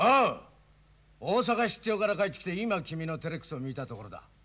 大阪出張から帰ってきて今君のテレックスを見たところだ。